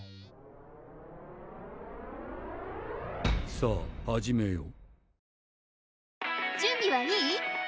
さぁ始めよう